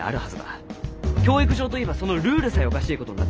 「教育上」と言えばそのルールさえおかしい事になってしまう。